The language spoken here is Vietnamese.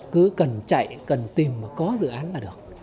cứ cần chạy cần tìm mà có dự án là được